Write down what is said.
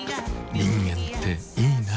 人間っていいナ。